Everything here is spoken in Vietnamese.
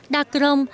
đa cơ rông